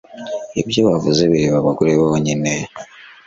Ibyo wavuze bireba abagore bonyine